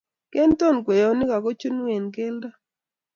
Kintoon kweyonik aku chunu eng' keldo